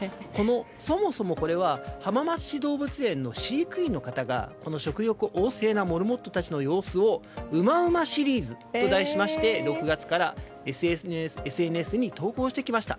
そもそもこれは浜松市動物園の飼育員の方がこの食欲旺盛なモルモットたちの様子を「うまうまシリーズ」と題しまして、６月からＳＮＳに投稿してきました。